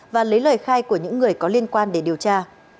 và lấy lời khai của những người có liên quan để điều tra